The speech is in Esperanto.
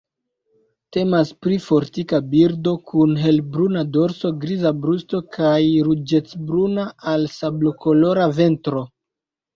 Temas pri fortika birdo, kun helbruna dorso, griza brusto kaj ruĝecbruna al sablokolora ventro.